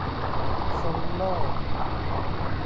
ส่งโลด